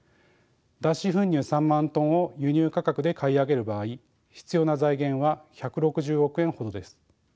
脱脂粉乳３万ｔを輸入価格で買い上げる場合必要な財源は１６０億円ほどです。